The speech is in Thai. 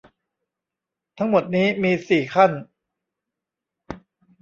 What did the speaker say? ทั้งหมดนี้มีสี่ขั้น